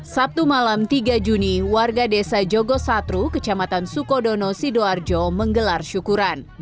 sabtu malam tiga juni warga desa jogosatru kecamatan sukodono sidoarjo menggelar syukuran